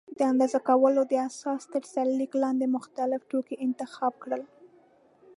د اندازه کولو د اساس تر سرلیک لاندې مختلف توکي انتخاب کړل.